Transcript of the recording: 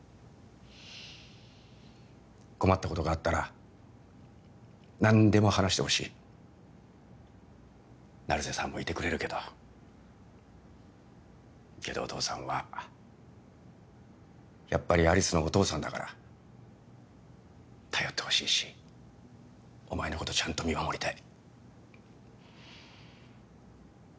困ったことがあったら何でも話してほしい成瀬さんもいてくれるけどけどお父さんはやっぱり有栖のお父さんだから頼ってほしいしお前のことちゃんと見守りたい